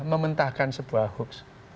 mementahkan sebuah hoax